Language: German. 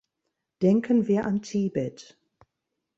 Denken wir an Tibet.